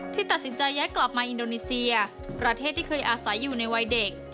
ตัดสินใจย้ายกลับมาอินโดนีเซียประเทศที่เคยอาศัยอยู่ในวัยเด็ก